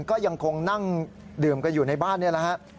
ก็ยังคงนั่งดื่มกันอยู่ในบ้านนี่แหละฮะ